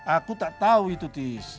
aku tak tahu itu tis